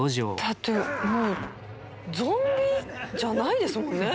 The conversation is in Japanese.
だってもうゾンビじゃないですもんね